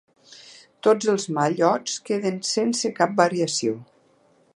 Tots els mallots queden sense cap variació.